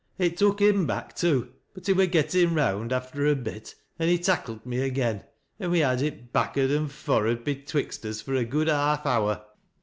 It tuk him back too, but he gettin round after a bit, an' he tacklet me agen, an' we had it back'ard and f or'ard betwixt us for a good haaf hour.